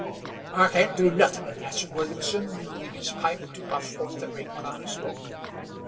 "I can't do nuthin'," answered Williamson, removing his pipe to puff forth a great cloud of smoke.